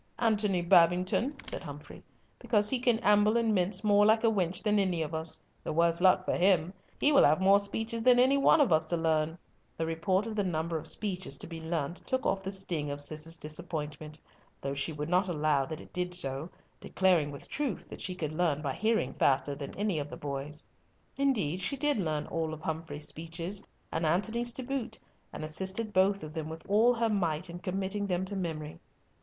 "Antony Babington," said Humfrey, "because he can amble and mince more like a wench than any of us. The worse luck for him. He will have more speeches than any one of us to learn." The report of the number of speeches to be learnt took off the sting of Cis's disappointment, though she would not allow that it did so, declaring with truth that she could learn by hearing faster than any of the boys. Indeed, she did learn all Humfrey's speeches, and Antony's to boot, and assisted both of them with all her might in committing them to memory.